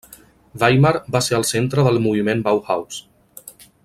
Weimar va ser el centre del moviment Bauhaus.